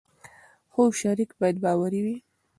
خو شریک باید باوري وي.